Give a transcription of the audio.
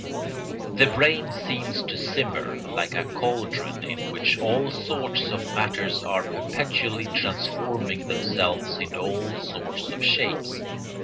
The brain seems to simmer like a caldron in which all sorts of matters are perpetually transforming themselves into all sorts of shapes.